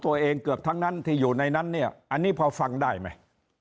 ตัวเองเกือบทั้งนั้นที่อยู่ในนั้นอันนี้พอฟังได้มั้ย